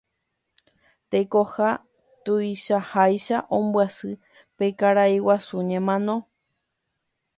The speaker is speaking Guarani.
Tekoha tuichaháicha ombyasy pe karai guasu ñemano.